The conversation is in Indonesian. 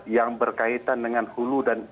yang berkaitan dengan hulu dan